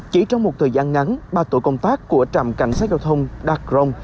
chỉ trong một thời gian ngắn ba tổ công tác của trạm cảnh sát giao thông dacron